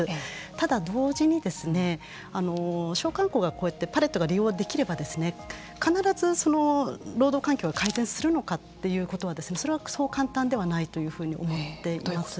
ただ同時に商慣行がこうやってパレットが利用できれば必ず労働環境が改善するのかということはそれはそう簡単ではないというふうに思っています。